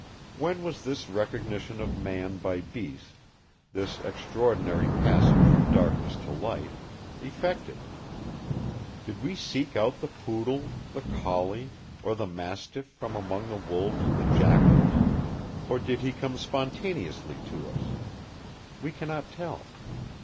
When was this recognition of man by beast, this extraordinary passage from darkness to light, effected? Did we seek out the poodle, the collie, or the mastiff from among the wolves and the jackals, or did he come spontaneously to us? We cannot tell.